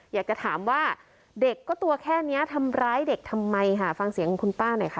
อยากจะถามว่าเด็กก็ตัวแค่เนี้ยทำร้ายเด็กทำไมค่ะฟังเสียงของคุณป้าหน่อยค่ะ